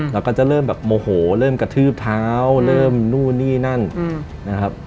เราก็จะเริ่มแบบโมโหเริ่มกระทืบเท้าเริ่มนู่นนี่นั่นนะครับ